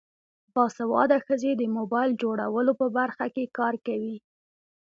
باسواده ښځې د موبایل جوړولو په برخه کې کار کوي.